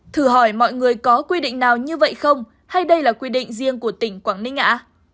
thử hỏi mọi người có quy định nào như vậy không hay đây là quy định riêng của tỉnh quảng ninh á